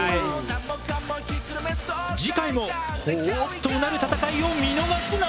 次回もほぉとうなる戦いを見逃すな！